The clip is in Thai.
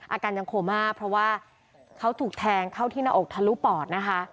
อาการยังโคม่าเพราะว่าเขาถูกแทงเข้าที่หน้าอกทะลุปอดนะคะ